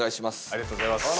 ありがとうございます。